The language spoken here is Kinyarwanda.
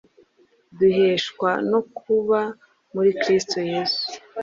duheshwa no kuba muri Kristo yesu.”